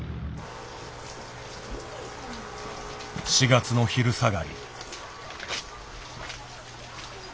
４月の昼下がり。